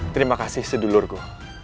terima kasih sedulurku